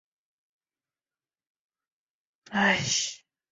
瑙鲁的历史和磷酸盐的采集有关。